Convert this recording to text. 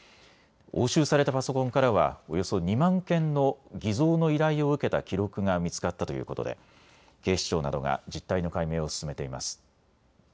押収されたパソコンからはおよそ２万件の偽造の依頼を受けた記録が見つかったということで警視庁などが実態の解明を進めています。